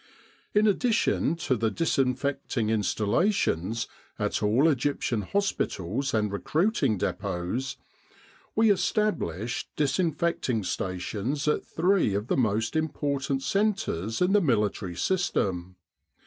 In addition to the dis infecting installations at all Egyptian hospitals and recruiting dep6ts, we established Disinfecting Sta tions at three of the most important centres in the military system.